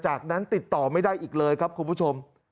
จากนั้นติดต่อไม่ได้อีกเลยครับคุณผู้ชม